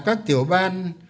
các tiểu ban